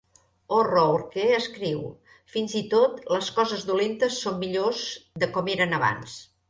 O'Rourke escriu: fins i tot les coses dolentes són millors de com eren abans.